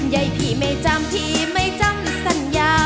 ยายพี่ไม่จำพี่ไม่จำสัญญา